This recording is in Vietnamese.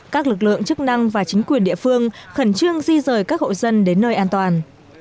các lực lượng chức năng và chính quyền địa phương khẩn trương di rời các hộ dân đến nơi an toàn